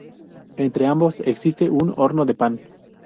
Entre ambos, existe un horno de pan.